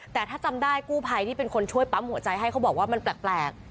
แต่ถ้าจำได้กู้ภัยที่เป็นคนช่วยปั๊มหัวใจให้เขาบอกว่ามันแปลก